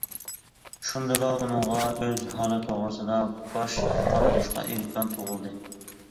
شۇندىلا ئۇنىڭغا ئۆز ھالى توغرىسىدا باش قاتۇرۇشقا ئىمكان تۇغۇلدى.